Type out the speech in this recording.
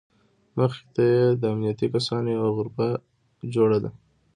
مخې ته یې د امنیتي کسانو یوه غرفه جوړه ده.